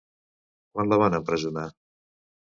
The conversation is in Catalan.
Quan la van empresonar?